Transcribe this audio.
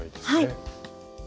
はい。